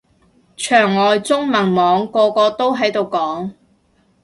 牆外中文網個個都喺度講